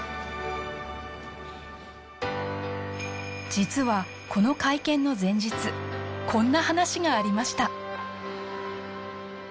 実はこの会見の前日こんな話がありました